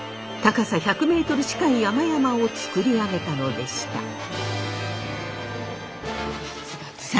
高さ１００ｍ近い山々を造り上げたのでした。